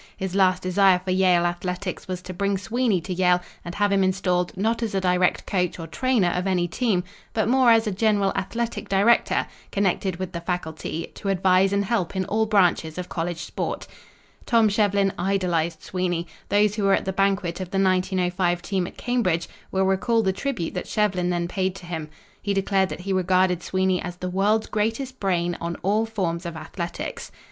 His last desire for Yale athletics was to bring Sweeney to Yale and have him installed, not as a direct coach or trainer of any team, but more as a general athletic director, connected with the faculty, to advise and help in all branches of college sport. Tom Shevlin idolized Sweeney. Those who were at the banquet of the 1905 team at Cambridge will recall the tribute that Shevlin then paid to him. He declared that he regarded Sweeney as "the world's greatest brain on all forms of athletics."